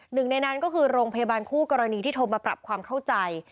หนึ่งในนั้นก็คือโรงพยาบาลคู่กรณีที่โทรมาปรับความเข้าใจ